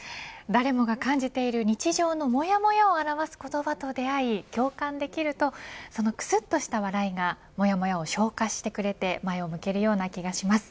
誰もが感じている日常のもやもやを表す言葉と出会い共感できるとそのくすっとした笑いがもやもやを消化してくれて前を向けるような気がします。